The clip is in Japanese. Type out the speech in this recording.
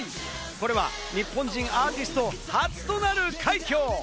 これは日本人アーティスト初となる快挙。